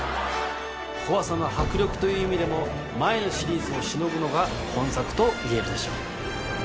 怖さの迫力という意味でも前のシリーズをしのぐのが本作といえるでしょう。